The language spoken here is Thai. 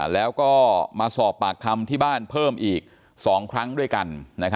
แล้วก็มาสอบปากคำที่บ้านเพิ่มอีก๒ครั้งด้วยกัน